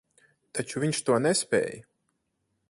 Taču viņš to nespēj.